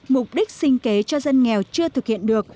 mục đích sinh kế cho dân nghèo chưa thực hiện được